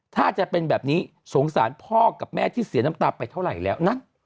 ถ้าจะเป็นแบบนี้สงสารพ่อกับแม่ที่เสียน้ำตาไปเท่าไหร่แล้วนะ